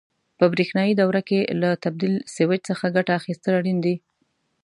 په برېښنایي دوره کې له تبدیل سویچ څخه ګټه اخیستل اړین کار دی.